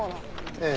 ええ。